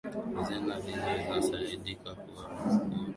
zana hizo zinasadikika kuwa zilikuwepo kwa miaka laki mbili